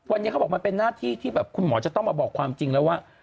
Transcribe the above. วันนี้เขาบอกมันเป็นหน้าที่ที่แบบคุณหมอจะต้องมาบอกความจริงแล้วว่า